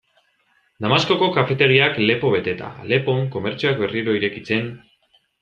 Damaskoko kafetegiak lepo beteta, Alepon komertzioak berriro irekitzen...